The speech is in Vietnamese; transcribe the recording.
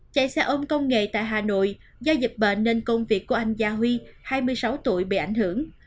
chạy xe ôm công nghệ tại hà nội do dịch bệnh nên công việc của anh gia huy hai mươi sáu tuổi bị ảnh hưởng